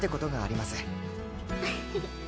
フフフ。